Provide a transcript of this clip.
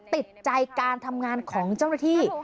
ติดใจการทำงานของเจ้าหน้าที่